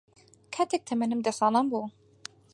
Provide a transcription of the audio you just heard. کاتێک تەمەنم دە ساڵان بوو